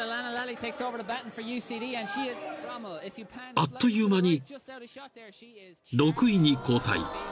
［あっという間に６位に後退］